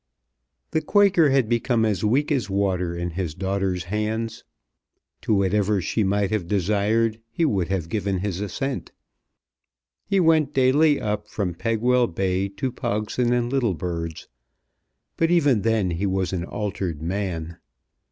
The Quaker had become as weak as water in his daughter's hands. To whatever she might have desired he would have given his assent. He went daily up from Pegwell Bay to Pogson and Littlebird's, but even then he was an altered man.